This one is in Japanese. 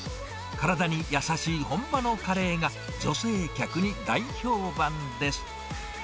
体に優しい本場のカレーが、女性客に大評判です。